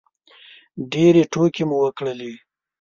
ډېرې ټوکې مو وکړلې